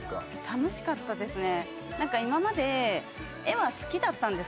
楽しかったですね